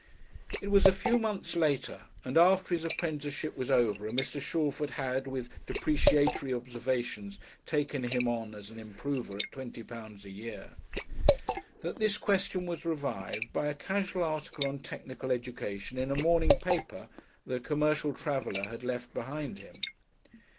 It was a few months later, and after his apprenticeship was over and Mr. Shalford had with depreciatory observations taken him on as an improver at twenty pounds a year, that this question was revived by a casual article on Technical Education in a morning paper that a commercial traveller had left behind him.